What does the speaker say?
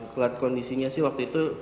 kelihatan kondisinya sih waktu itu